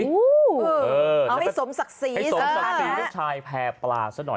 เอาให้สมศักดิ์ศรีให้สมศักดิ์ศรีลูกชายแพร่ปลาซะหน่อย